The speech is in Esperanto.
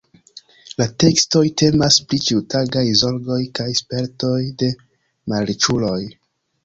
La tekstoj temas pri ĉiutagaj zorgoj kaj spertoj de malriĉuloj.